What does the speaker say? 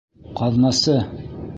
Ҡаҙнасы!